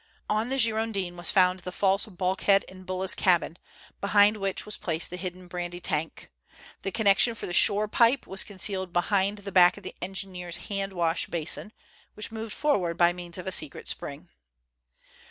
On the Girondin was found the false bulkhead in Bulla's cabin, behind which was placed the hidden brandy tank. The connection for the shore pipe was concealed behind the back of the engineer's wash hand basin, which moved forward by means of a secret spring.